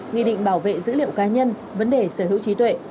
nghị định bảo vệ dữ liệu cá nhân vấn đề sở hữu trí tuệ